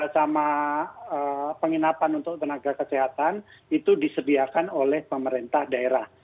sama penginapan untuk tenaga kesehatan itu disediakan oleh pemerintah daerah